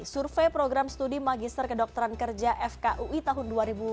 survei program studi magister kedokteran kerja fkui tahun dua ribu dua puluh